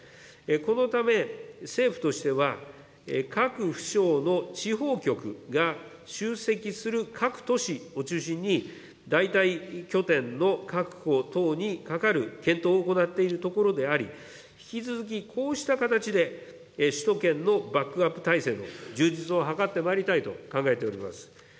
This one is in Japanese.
このため、政府としては、各府省の地方局が集積する各都市を中心に、代替拠点の確保等にかかる検討を行っているところであり、引き続きこうした形で首都圏のバックアップ体制の充実を図ってまいりたいと考えております。